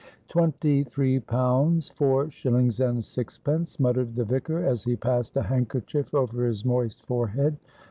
"Twenty three pounds, four shillings and sixpence," muttered the vicar, as he passed a handkerchief over his moist forehead.